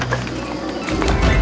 baik ke sana